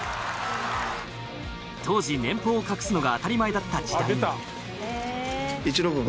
当時年俸を隠すのが当たり前だった時代に。